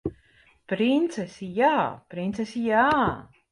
Princesi jā! Princesi jā!